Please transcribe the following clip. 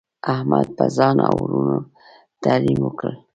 احمد په ځان او ورونو تعلیم وکړ.